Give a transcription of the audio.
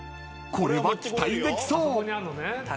［これは期待できそう！］